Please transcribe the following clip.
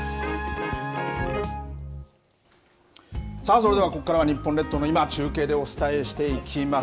それではここからは日本列島の今、中継でお伝えしていきます。